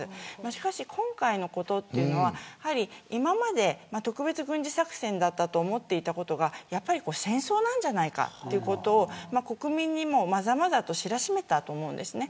しかし、今回のことは今まで特別軍事作戦だと思っていたことが戦争なんじゃないかということを国民にも、まざまざと知らしめたと思うんです。